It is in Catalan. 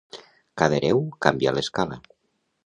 Cada hereu canvia l'escala.